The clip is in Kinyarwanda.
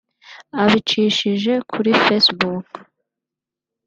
Abicishije kuri Facebook